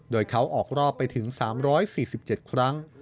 โดยเขาออกรอบไปถึง๓๔๗ครั้ง